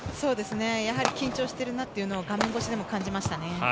やはり緊張しているなっていうのを画面越しでも感じましたね。